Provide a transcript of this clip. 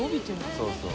そうそう。